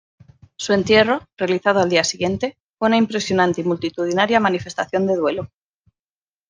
Su entierro, realizado al día siguiente, fue una impresionante y multitudinaria manifestación de duelo.